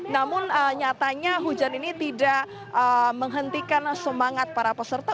namun nyatanya hujan ini tidak menghentikan semangat para peserta